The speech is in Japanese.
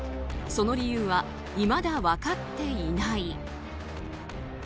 その理由はいまだ分かっていない。